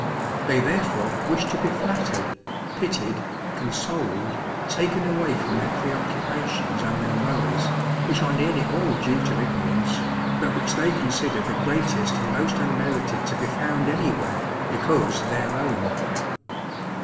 They therefore wish to be flattered, pitied, consoled, taken away from their preoccupations and their worries, which are nearly all due to ignorance, but which they consider the greatest and most unmerited to be found anywhere, because their own.